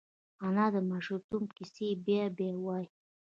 انا د ماشومتوب کیسې بیا بیا وايي